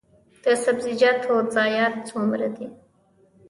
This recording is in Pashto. د سبزیجاتو ضایعات څومره دي؟